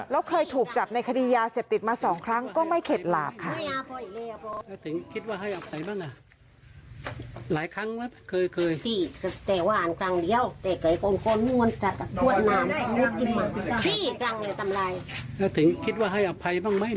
แล้วเคยถูกจับในคดียาเสพติดมา๒ครั้งก็ไม่เข็ดหลาบค่ะ